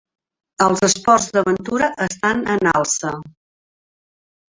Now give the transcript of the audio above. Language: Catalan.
Els esports d'aventura estan en alça.